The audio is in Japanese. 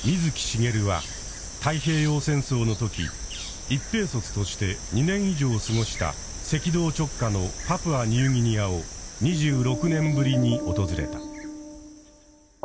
しげるは太平洋戦争の時一兵卒として２年以上過ごした赤道直下のパプアニューギニアを２６年ぶりに訪れた。